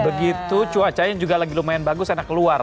begitu cuacanya juga lagi lumayan bagus enak keluar